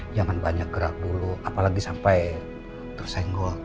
jangan banyak gerak dulu apalagi sampai tersenggol